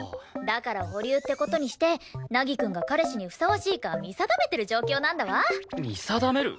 だから保留って事にして凪くんが彼氏にふさわしいか見定めてる状況なんだわ。見定める？